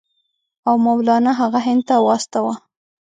او مولنا هغه هند ته واستاوه.